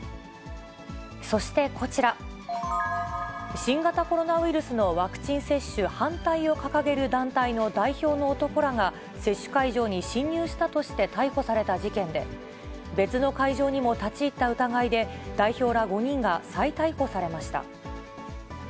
そしてこちら、新型コロナウイルスのワクチン接種反対を掲げる団体の代表の男らが、接種会場に侵入したとして逮捕された事件で、別の会場にも立ち入った疑いで、代表ら５人が再逮捕されました。